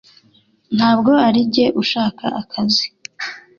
Ntabwo arinjye ushaka akazi